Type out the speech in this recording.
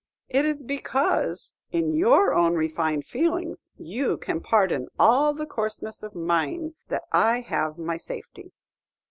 It is because, in your own refined feelings, you can pardon all the coarseness of mine, that I have my safety."